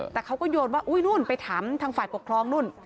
แต่เขาก็โยนว่าอุ้ยนู่นไปถามทางฝ่ายปกครองนู่น